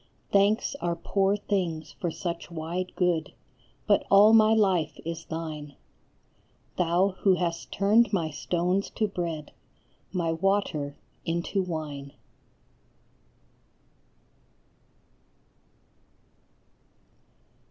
Thanks are poor things for such wide good, but all my life is thine, Thou who hast turned my stones to bread, my water into wine.